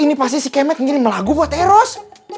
ini pasti si kemet ngirim lagu buat eros